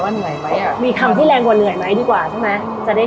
เหนื่อยไหมอ่ะมีคำที่แรงกว่าเหนื่อยไหมดีกว่าใช่ไหมจะได้